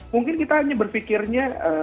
mungkin kita hanya berfikirnya